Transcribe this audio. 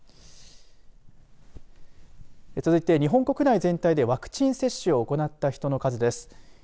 続いて、日本国内全体でワクチン接種を行った人の数です。